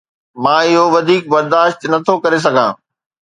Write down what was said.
مان اهو وڌيڪ برداشت نٿو ڪري سگهان